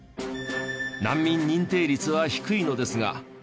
難民認定率は低いのですが。